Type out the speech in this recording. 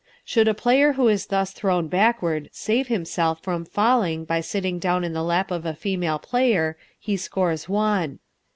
Should a player who is thus thrown backward save himself from falling by sitting down in the lap of a female player, he scores one.